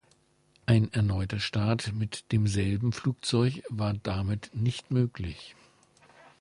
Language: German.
Ein erneuter Start mit demselben Flugzeug war damit nicht möglich.